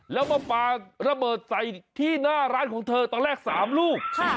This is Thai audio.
แล้วมาปลาระเบิดใส่ที่หน้าร้านของเธอตอนแรก๓ลูก